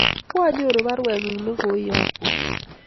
Kwanyoru parwet ng'ung' ne koiyokwon